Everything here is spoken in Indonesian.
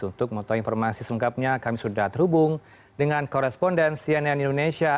untuk mengetahui informasi selengkapnya kami sudah terhubung dengan koresponden cnn indonesia